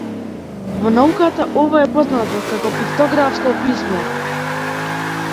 Во науката ова е познато како пиктографско писмо.